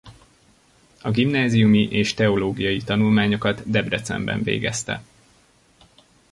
A gimnáziumi és teológiai tanulmányokat Debrecenben végezte.